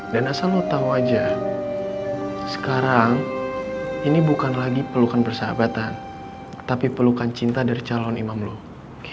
dan asal lo tau aja sekarang ini bukan lagi pelukan persahabatan tapi pelukan cinta dari calon imam lo oke